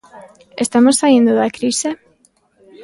Estamos saíndo da crise?